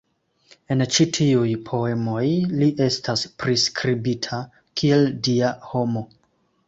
En ĉi tiuj poemoj li estas priskribita kiel dia homo.